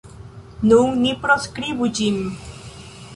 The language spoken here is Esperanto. Nun ni proskribu ĝin.